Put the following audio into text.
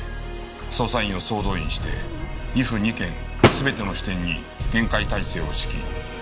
捜査員を総動員して２府２県全ての支店に厳戒態勢を敷き２５日を待った。